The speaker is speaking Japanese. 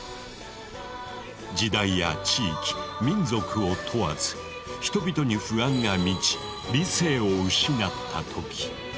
時代や地域民族を問わず人々に不安が満ち理性を失った時。